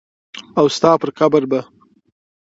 او ستا پر قبر به”